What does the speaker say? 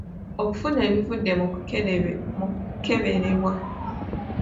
Okufuna ebivudde mu kukeberebwa.